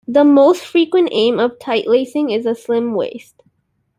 The most frequent aim of tightlacing is a slim waist.